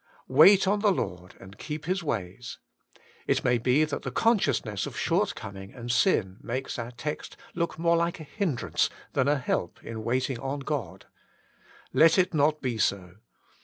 * Wait on the Lord, and keep His ways.* It 5 6( WAITING ON GOD I may be that the consciousness of shortcoming and sin makes our text look more like a hind rance than a help in waiting on God. Let it not be so.